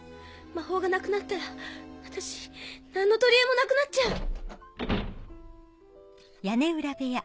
魔法がなくなったら私何の取りえもなくなっちゃう。